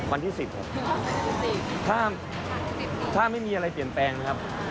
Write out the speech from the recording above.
วันที่๑๐ครับถ้าไม่มีอะไรเปลี่ยนแปลงนะครับ